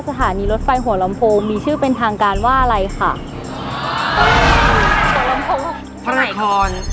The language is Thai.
สถานีรถไฟหัวลำโพงมีชื่อเป็นทางการว่าอะไรค่ะหัวลำโพงพระไหนทร